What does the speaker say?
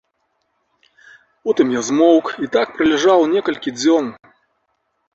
Потым я змоўк і так праляжаў некалькі дзён.